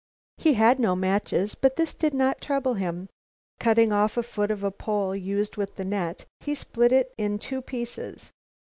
He had no matches, but this did not trouble him. Cutting off a foot of a pole used with the net, he split it in two pieces.